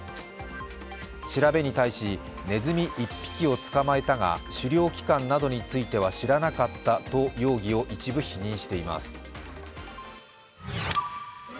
調べに対し、ねずみ１匹を捕まえたが狩猟期間などについては知らなかったと容疑を一部否認しています。